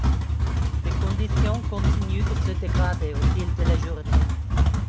Les conditions continuent de se dégrader au fil de la journée.